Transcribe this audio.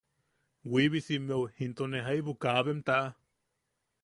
Wiibisimmeu into ne jaibu kaabem taʼa.